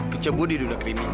kecebur di dunia krim ini